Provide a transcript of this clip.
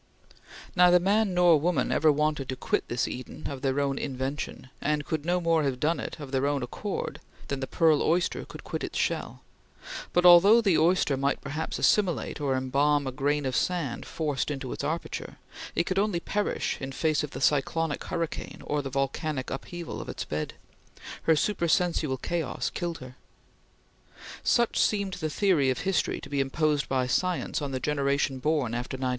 Neither man nor woman ever wanted to quit this Eden of their own invention, and could no more have done it of their own accord than the pearl oyster could quit its shell; but although the oyster might perhaps assimilate or embalm a grain of sand forced into its aperture, it could only perish in face of the cyclonic hurricane or the volcanic upheaval of its bed. Her supersensual chaos killed her. Such seemed the theory of history to be imposed by science on the generation born after 1900.